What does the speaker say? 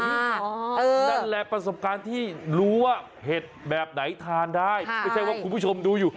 นั่นแหละประสบการณ์ที่รู้ว่าเห็ดแบบไหนทานได้ไม่ใช่ว่าคุณผู้ชมดูอยู่